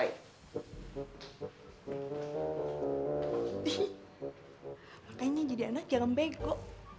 makanya jadi anak jangan bego